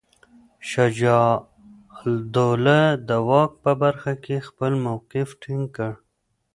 شجاع الدوله د واک په برخه کې خپل موقف ټینګ کړ.